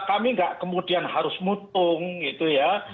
kami nggak kemudian harus mutung gitu ya